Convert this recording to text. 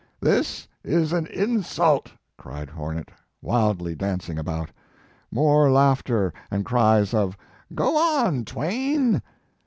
This is an insult," cried Hornet, wildly danc ing about. More laughter, and cries of "Go on, Twain!"